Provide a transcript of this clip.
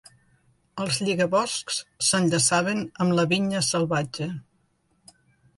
Els lligaboscs s'enllaçaven amb la vinya salvatge.